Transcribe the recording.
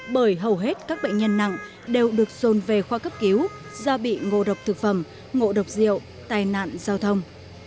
bởi hầu hết các bệnh nhân nặng đều được dồn về khoa cấp cứu do bị ngộ độc thực phẩm ngộ độc rượu tai nạn giao thông